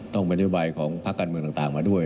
ต้องเป็นด้วยใบของพักกันเมืองต่างมาด้วย